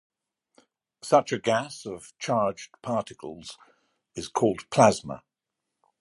Such a gas of charged particles is called plasma.